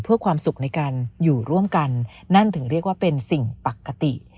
เพื่อความสุขในการอยู่ร่วมกันนั่นถึงเรียกว่าเป็นสิ่งปกติ